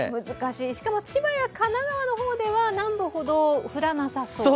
しかも千葉や神奈川の方では南部ほど降らなさそう。